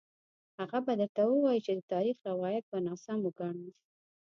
هغه به درته ووايي چې د تاریخ روایت به ناسم وګڼو.